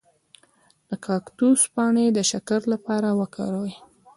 د کاکتوس پاڼې د شکر لپاره وکاروئ